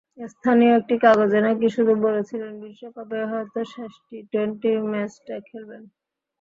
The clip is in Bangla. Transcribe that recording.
স্থানীয় একটি কাগজে নাকি শুধু বলেছিলেন, বিশ্বকাপেই হয়তো শেষ টি-টোয়েন্টি ম্যাচটা খেলবেন।